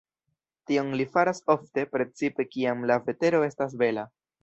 Tion li faras ofte, precipe kiam la vetero estas bela.